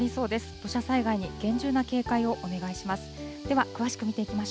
土砂災害に厳重な警戒をお願いします。